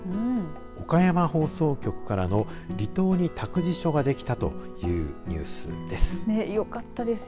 岡山放送局からの離島に託児所ができたというニュースです。